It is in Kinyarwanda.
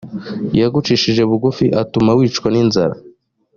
yagucishije bugufi, atuma wicwa n’inzara